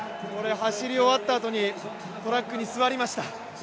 走り終わったあとにトラックに座りました。